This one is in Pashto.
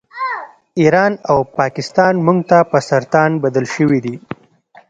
ایران او پاکستان موږ ته په سرطان بدل شوي دي